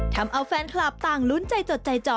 ทำเอาแฟนคลับต่างลุ้นใจจดใจจ่อ